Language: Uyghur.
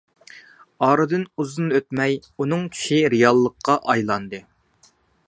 ئارىدىن ئۇزۇن ئۆتمەي ئۇنىڭ چۈشى رېئاللىققا ئايلاندى.